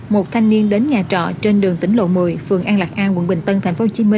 một thanh niên đến nhà trọ trên đường tỉnh lộ một mươi phường an lạc a quận bình tân tp hcm